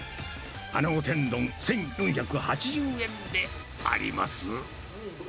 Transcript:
あなご天丼１４８０円であります。